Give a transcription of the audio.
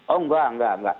oh enggak enggak enggak